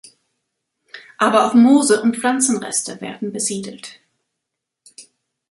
Aber auch Moose und Pflanzenreste werden besiedelt.